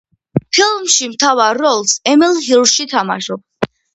ფილმში მთავარ როლს ემილ ჰირში თამაშობს.